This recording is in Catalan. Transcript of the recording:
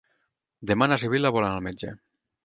Demà na Sibil·la vol anar al metge.